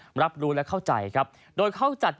มารับรู้และเข้าใจครับโดยเขาจัด